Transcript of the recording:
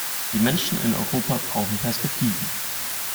Die Menschen in Europa brauchen Perspektiven.